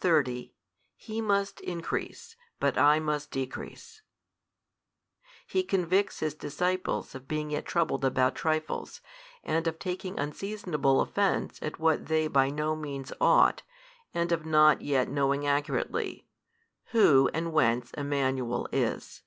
30 He must increase, but I must decrease. He convicts his disciples of being yet troubled about trifles, and of taking unseasonable offence at what they by no means ought, and of not yet knowing accurately, Who and whence Emmanuel is.